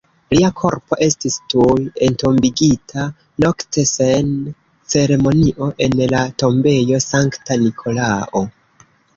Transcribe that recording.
Lia korpo estis tuj entombigita nokte sen ceremonio en la Tombejo Sankta Nikolao.